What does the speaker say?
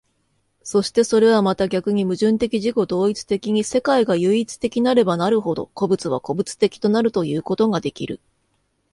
そしてそれはまた逆に矛盾的自己同一的に世界が唯一的なればなるほど、個物は個物的となるということができる。